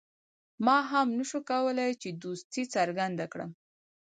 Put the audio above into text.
ما هم نه شو کولای چې دوستي څرګنده کړم.